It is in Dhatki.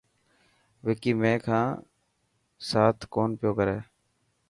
وڪي مين کان سات ڪونه پيو ڪري.